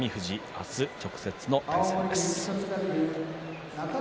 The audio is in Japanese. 明日、直接の対戦です。